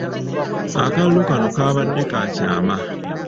Akalulu kano kabadde ka kyama .